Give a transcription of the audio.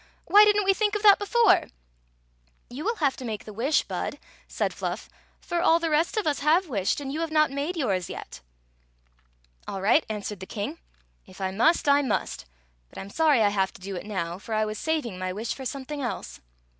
"Why did n't we think of th^t before ?"" You will have to make the wish, Bud," said Fkft "for all the rest of us have wished, and you have not made yours yet "All right," answered the king. "If I must, I 226 Queen Zixi of Ix must But I 'm sorry I have to do it now, for I was saving my wish for something else."